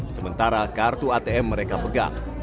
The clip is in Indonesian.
sementara kartu atm mereka pegang